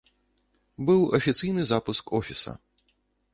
Быў афіцыйны запуск офіса.